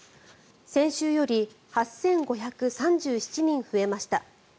先週より８５３７人増えました。